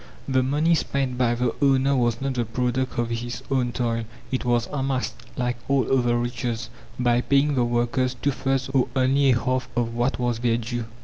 The money spent by the owner was not the product of his own toil. It was amassed, like all other riches, by paying the workers two thirds or only a half of what was their due.